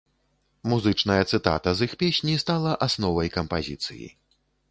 Музычная цытата з іх песні стала асновай кампазіцыі.